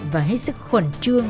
và hết sức khuẩn trương